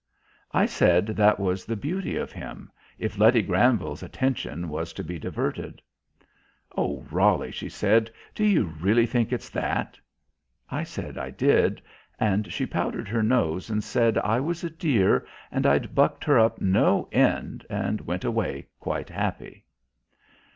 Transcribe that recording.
I said that was the beauty of him, if Letty Granville's attention was to be diverted. "Oh, Roly," she said, "do you really think it's that?" I said I did, and she powdered her nose and said I was a dear and I'd bucked her up no end, and went away quite happy.